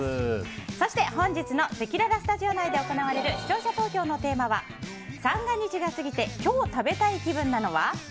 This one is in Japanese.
そして、本日のせきららスタジオ内で行われる視聴者投票のテーマは三が日が過ぎて今日食べたい気分なのは？